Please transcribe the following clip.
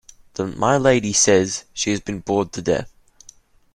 My Lady says she has been "bored to death."